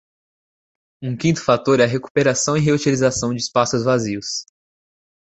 Um quinto fator é a recuperação e reutilização de espaços vazios.